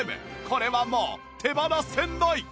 これはもう手放せない！